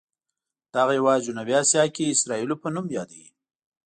دغه هېواد جنوبي اسیا کې اسرائیلو په نوم یادوي.